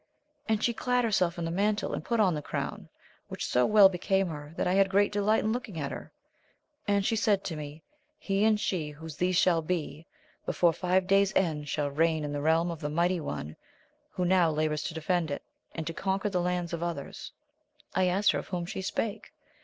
And she clad herself in the mantle and put on the crown, which so well became her that I had great delight in looking at her ; and she said to me. He and she whose these shall be, before five days end shall reign in the realm of the mighty one who now labours to defend it, and to conquer the lands of others. I asked her of whom she spake.